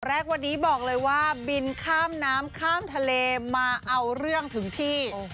แรกวันนี้บอกเลยว่าบินข้ามน้ำข้ามทะเลมาเอาเรื่องถึงที่